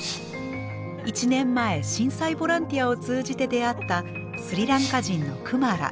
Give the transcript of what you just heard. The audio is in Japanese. １年前震災ボランティアを通じて出会ったスリランカ人のクマラ。